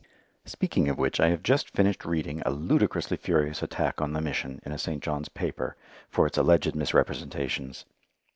Speaking of which I have just finished reading a ludicrously furious attack on the Mission in a St. John's paper, for its alleged misrepresentations.